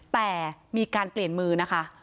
แต่มีการเปลี่ยนมือนะคะ